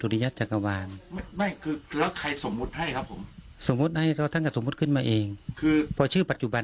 แต่เรารู้ไหมว่ารักษณะมันเรียนแบบใครพัดทรง